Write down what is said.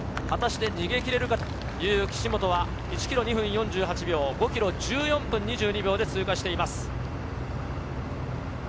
果たして逃げ切れるかという岸本は１ｋｍ２分４８秒、５ｋｍを１４分２２秒で通過しています。